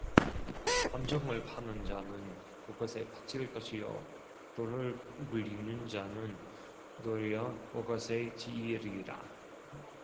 함정을 파는 자는 그것에 빠질 것이요 돌을 굴리는 자는 도리어 그것에 치이리라